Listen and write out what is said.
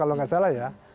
kalau nggak salah ya